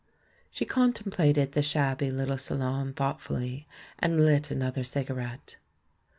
She contemplated the shabby little salon thoughtfully, and lit another cigarette.